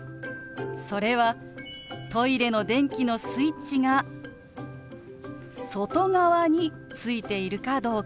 それはトイレの電気のスイッチが外側についているかどうか。